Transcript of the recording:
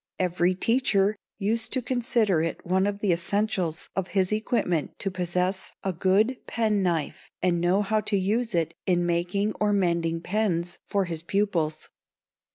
Every teacher used to consider it one of the essentials of his equipment to possess a good penknife and know how to use it in making or mending pens for his pupils.